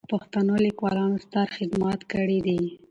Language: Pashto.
پښتنو لیکوالانو ستر خدمات کړي دي.